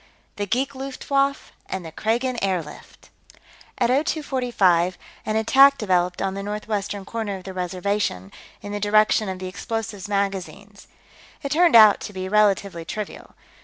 The Geek Luftwaffe and the Kragan Airlift At 0245, an attack developed on the northwestern corner of the Reservation, in the direction of the explosives magazines. It turned out to be relatively trivial.